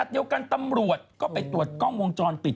เดียวกันตำรวจก็ไปตรวจกล้องวงจรปิด